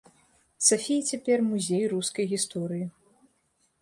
Сафіі цяпер музей рускай гісторыі.